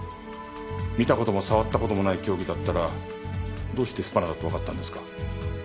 見た事も触った事もない凶器だったらどうしてスパナだとわかったんですか？